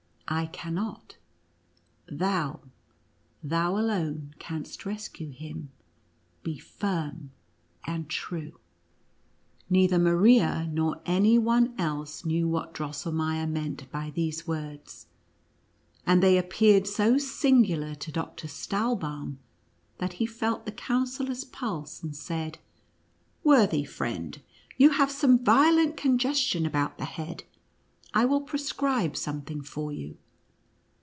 I cannot, thou — thou alone canst rescue him ; be firm and true." Neither Maria nor any one else knew what Drosselmeier meant by these words ; and they appeared so singular to Doctor Stahlbaum, that he felt the Counsel lor's pulse, and said :" Worthy friend, you have some violent congestion about the head ; I will prescribe something for you."